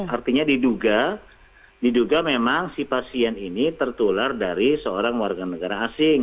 artinya diduga diduga memang si pasien ini tertular dari seorang warga negara asing